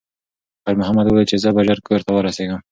خیر محمد وویل چې زه به ژر کور ته ورسیږم.